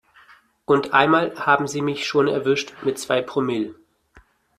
Und einmal haben sie mich schon erwischt mit zwei Promille.